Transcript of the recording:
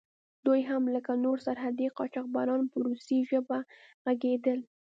دوی هم لکه نور سرحدي قاچاقبران په روسي ژبه غږېدل.